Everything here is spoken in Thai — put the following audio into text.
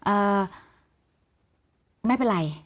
เอ่อไม่เป็นไร